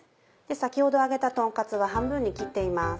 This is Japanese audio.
先ほど揚げたとんカツは半分に切っています。